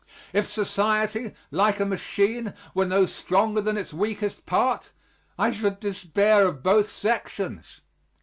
If society, like a machine, were no stronger than its weakest part, I should despair of both sections.